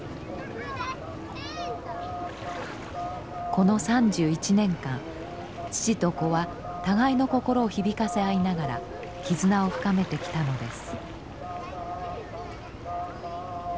この３１年間父と子は互いの心を響かせ合いながら絆を深めてきたのです。